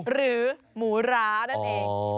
หรือหมูร้านั่นเอง